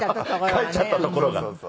帰っちゃったところが。